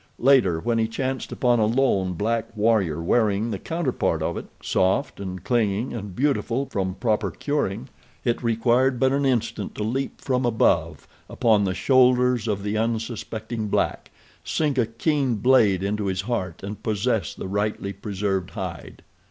Later, when he chanced upon a lone, black warrior wearing the counterpart of it, soft and clinging and beautiful from proper curing, it required but an instant to leap from above upon the shoulders of the unsuspecting black, sink a keen blade into his heart and possess the rightly preserved hide.